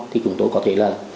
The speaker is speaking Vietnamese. thì chúng tôi có thể là